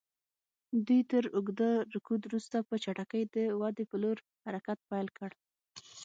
دوی تر اوږده رکود وروسته په چټکۍ د ودې پر لور حرکت پیل کړ.